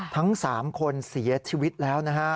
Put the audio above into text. ทั้ง๓คนเสียชีวิตแล้วนะฮะ